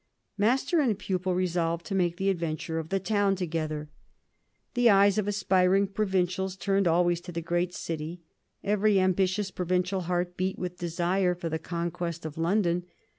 Master and pupil resolved to make the adventure of the town together. The eyes of aspiring provincials turned always to the great city, every ambitious provincial heart beat with desire for the conquest of London.